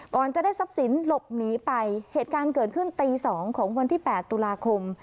ก่อนจะได้ทรัพย์สินหลบหนีไปเหตุการณ์เกิดขึ้นตี๒ของวันที่๘ตุลาคม